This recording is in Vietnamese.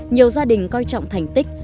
nhiều gia đình coi trọng thành tích